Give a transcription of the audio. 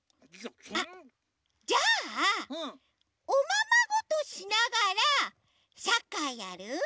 あっじゃあおままごとしながらサッカーやる？